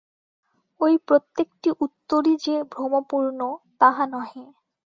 ঐ প্রত্যেকটি উত্তরই যে ভ্রমপূর্ণ, তাহা নহে।